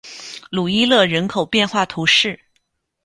鲁伊勒人口变化图示